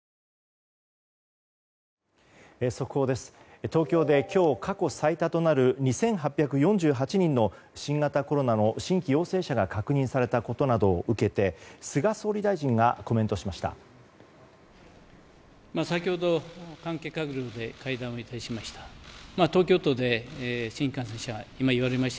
東京で今日、過去最多となる２８４８人の、新型コロナの新規陽性者が確認されたことなどを受けて菅総理大臣がコメントしました。